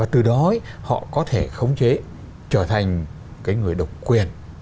từ đó họ có thể khống chế trở thành cái người độc quyền